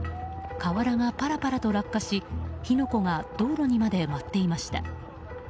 瓦がパラパラと落下し火の粉が道路にまで舞っていました。